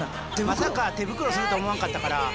まさか手袋すると思わんかったから。